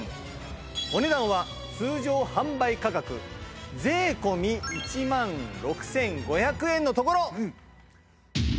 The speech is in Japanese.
お値段は通常販売価格税込１万６５００円のところ。